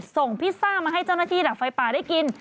พิซซ่ามาให้เจ้าหน้าที่ดับไฟป่าได้กิน